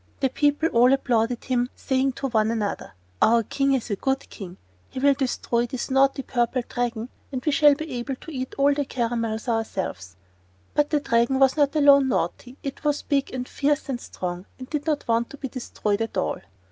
The people all applauded him, saying one to another: "Our King is a good King. He will destroy this naughty Purple Dragon and we shall be able to eat the caramels ourselves." But the Dragon was not alone naughty; it was big, and fierce, and strong, and did not want to be destroyed at all.